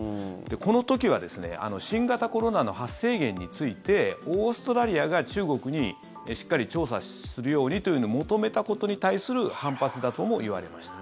この時は新型コロナの発生源についてオーストラリアが中国にしっかり調査するようにと求めたことに対する反発だとも言われました。